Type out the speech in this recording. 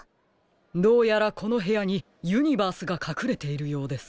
どうやらこのへやにユニバースがかくれているようです。